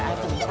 nah pak ustadz